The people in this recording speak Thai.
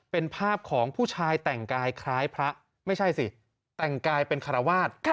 เป็นภาพของผู้ชายแต่งกายคล้ายพระไม่ใช่สิแต่งกายเป็นคารวาส